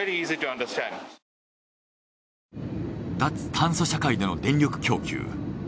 脱炭素社会での電力供給。